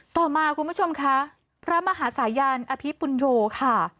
ต่อมาคุณผู้ชมคะพระมหาสายันอภิปุญโยค่ะ